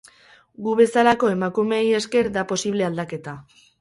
Gu bezalako emakumeei esker da posible aldaketa.